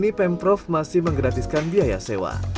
sehingga sepuluh tahun kemudian pemprov masih menggratiskan biaya sewa